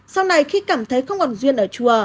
sau này khi cảm thấy không còn duyên ở chùa